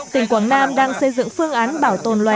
tỉnh quảng nam đang xây dựng phương án bảo tồn loài